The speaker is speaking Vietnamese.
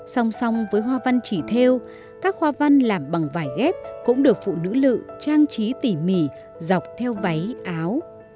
song song với hoa văn chỉ theo các hoa văn làm bằng vải ghép cũng được phụ nữ lự trang trí tỉ mỉ dọc theo váy áo